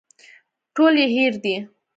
ټول يې هېر دي.